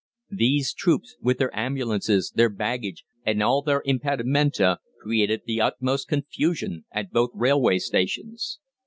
These troops, with their ambulances, their baggage, and all their impedimenta, created the utmost confusion at both railway stations.